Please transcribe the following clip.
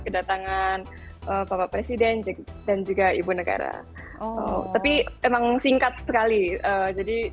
sebenarnya saya tidak pernah mencari penyakit